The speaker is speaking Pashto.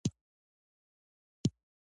هلمند سیند د افغانستان د لویې زرغونتیا نښه ده.